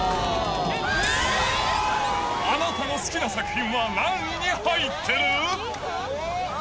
あなたの好きな作品は何位に入ってる？